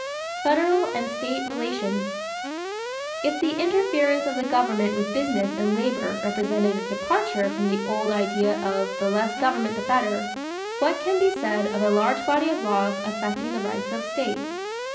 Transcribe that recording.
=Federal and State Relations.= If the interference of the government with business and labor represented a departure from the old idea of "the less government the better," what can be said of a large body of laws affecting the rights of states?